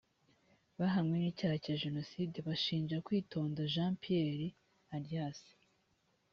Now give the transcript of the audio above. bahamwe n icyaha cya jenoside bashinja kwitonda jean pierre alias